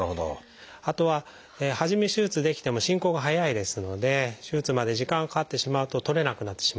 あとは初め手術できても進行が速いですので手術まで時間がかかってしまうと取れなくなってしまうこともあります。